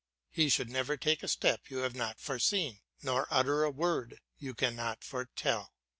He should never take a step you have not foreseen, nor utter a word you could not foretell.